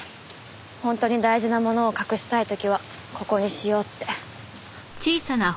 本当に大事なものを隠したい時はここにしようって。